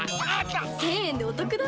１０００円でおトクだ